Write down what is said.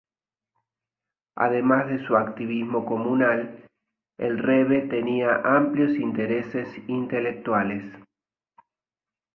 Además de su activismo comunal, el Rebe tenía amplios intereses intelectuales.